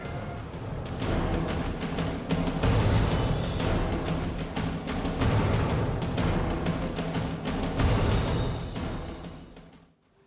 keputusan yang diambil oleh keputusan hakim mk diundur satu bulan